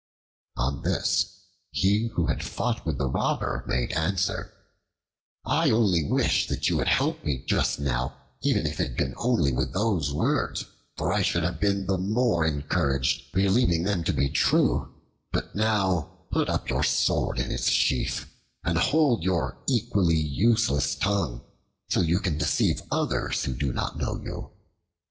On this, he who had fought with the Robber made answer, "I only wish that you had helped me just now, even if it had been only with those words, for I should have been the more encouraged, believing them to be true; but now put up your sword in its sheath and hold your equally useless tongue, till you can deceive others who do not know you.